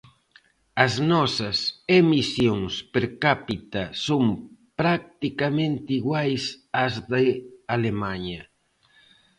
As nosas emisións per cápita son practicamente iguais ás de Alemaña.